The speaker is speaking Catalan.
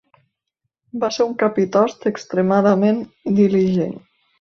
Va ser un capitost extremadament diligent.